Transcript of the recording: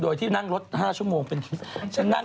เยอะ